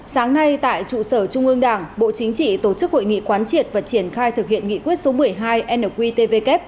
sáng nay tại trụ sở trung ương đảng bộ chính trị tổ chức hội nghị quán triệt và triển khai thực hiện nghị quyết số một mươi hai nqtvk